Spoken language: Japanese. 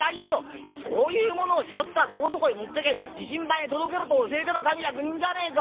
いやそういうものを拾ったらどこそこへ持ってけ自身番へ届けろと教えてる上役人じゃねえか。